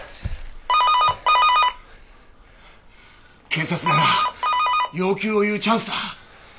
警察なら要求を言うチャンスだ。